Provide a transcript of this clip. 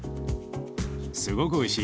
すごくおいしい。